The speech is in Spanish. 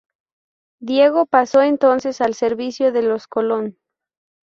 Diego pasó entonces al servicio de los Colón.